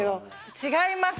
違います！